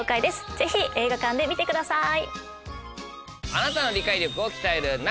ぜひ映画館で見てください。